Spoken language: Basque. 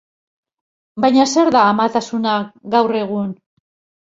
Baina zer da amatasuna gaur egun?